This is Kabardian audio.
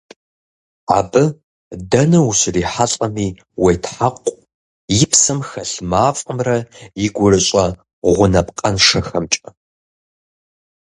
Абы дэнэ ущрихьэлӀэми, уетхьэкъу и псэм хэлъ мафӀэмрэ и гурыщӀэ гъунапкъэншэхэмкӀэ.